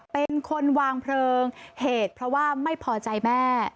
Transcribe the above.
เป็นคนวางเพลิงเหตุเพราะว่าไม่พอใจแม่